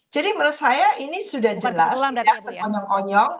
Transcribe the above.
jadi menurut saya ini sudah jelas